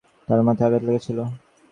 তার মাথায় আঘাত লেগেছিল।